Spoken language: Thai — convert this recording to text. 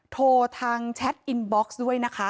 โทรทางแชทอินบ็อกซ์ด้วยนะคะ